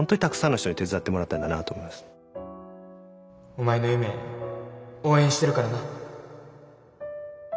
お前の夢応援してるからな。